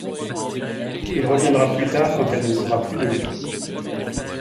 Il reviendra plus tard quand elle ne voudra plus de lui.